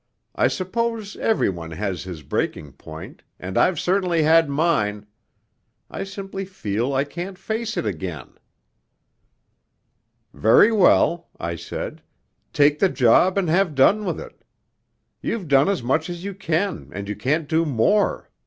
I suppose every one has his breaking point, and I've certainly had mine.... I simply feel I can't face it again.' 'Very well,' I said, 'take the job and have done with it. You've done as much as you can, and you can't do more.